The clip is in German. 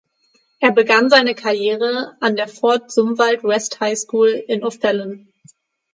Er begann seine Karriere an der Fort Zumwalt West High School in O’Fallon.